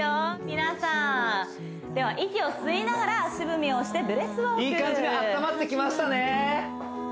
皆さんでは息を吸いながら足踏みをしてブレスウォークいい感じに温まってきましたね